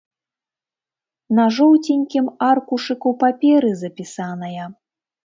На жоўценькім аркушыку паперы запісаная.